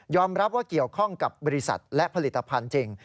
รับว่าเกี่ยวข้องกับบริษัทและผลิตภัณฑ์จริง